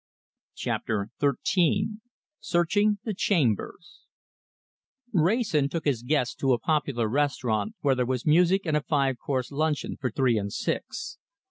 CHAPTER XIII SEARCHING THE CHAMBERS Wrayson took his guest to a popular restaurant, where there was music and a five course luncheon for three and six.